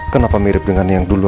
kenapa mirip dengan yang dulu